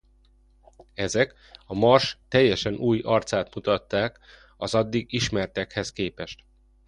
Ezek a Mars teljesen új arcát mutatták az addig ismertekhez képest.